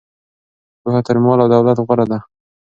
پوهه تر مال او دولت غوره ده.